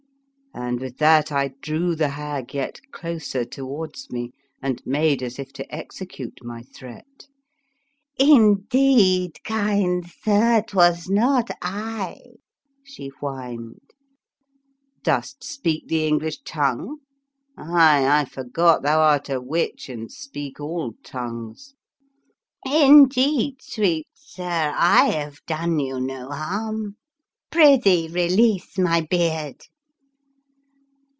" And with that I drew the hag yet closer towards me, and made as if to execute my threat. " Indeed, kind sir, 'twas not I," she whined. 11 Dost speak the English tongue? — aye, I forgot thou art a witch and speak all tongues. ''" Indeed, sweet sir, I have done thee no harm; prithee release my beard!"